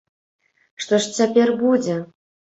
Што ж цяпер будзе?